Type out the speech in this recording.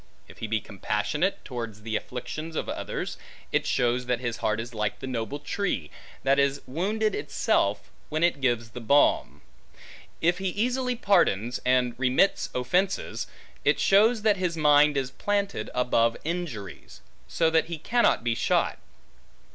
If he be compassionate towards the afflictions of others, it shows that his heart is like the noble tree, that is wounded itself, when it gives the balm. If he easily pardons, and remits offences, it shows that his mind is planted above injuries; so that he cannot be shot.